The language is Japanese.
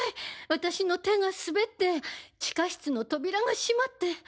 私の手が滑って地下室の扉が閉まって。